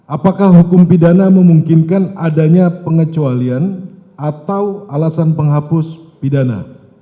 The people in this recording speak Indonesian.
apakah hukum pidana memungkinkan adanya pengecualian atau alasan penghapus pidana